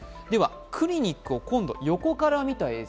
クリニックを今度、横から見た映像。